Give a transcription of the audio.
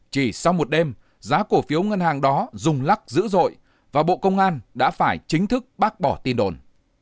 chỉ sau một đêm giá cổ phiếu ngân hàng đó rùng lắc dữ dội và bộ công an đã phải chính thức bác bỏ tin đồn